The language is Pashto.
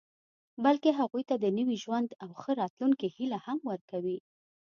بلکې هغوی ته د نوي ژوند او ښه راتلونکي هیله هم ورکوي